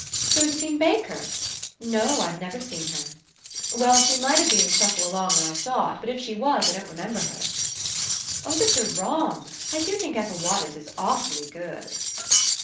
"Josephine Baker? ... No. I've never seen her. ... Well, she might have been in Shuffle Along when I saw it, but if she was, I don't remember her. ... Oh, but you're wrong I ... I do think Ethel Waters is aw fully good.